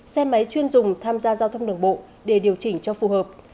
xe máy chuyên dùng tham gia giao thông đường bộ để điều chỉnh cho phù hợp